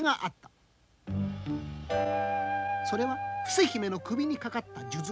それは伏姫の首にかかった数珠。